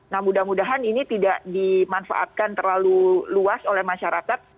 nah mudah mudahan ini tidak dimanfaatkan terlalu luas oleh masyarakat